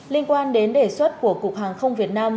liên quan đến đề xuất của cục hàng không việt nam